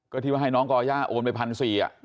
ก็ที่ว่าให้น้องก่อญาโอนไปพันธุ์สี่อะ